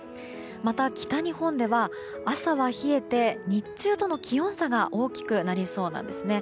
また、北日本では朝は冷えて日中との気温差が大きくなりそうなんですね。